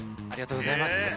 ありがとうございます。